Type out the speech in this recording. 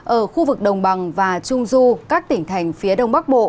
ở khu vực đồng bằng và trung du các tỉnh thành phía đông bắc bộ